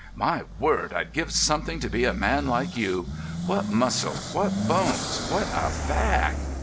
"My word, I'd give something to be a man like you. What muscle, what bones, what a back!